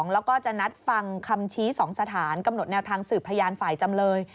แล้วก็จะนัดฟังคำชี้๒สถานกำหนดแนวทางสืบพยานฝ่ายจำเลย